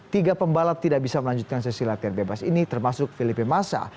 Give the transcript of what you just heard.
tiga pembalap tidak bisa melanjutkan sesi latihan bebas ini termasuk filipina masa